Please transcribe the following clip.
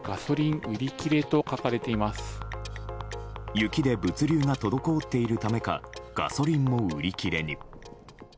雪で物流が滞っているためかガソリンも売り切れに。